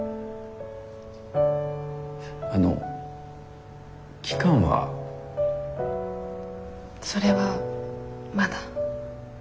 あの期間は？それはまだ。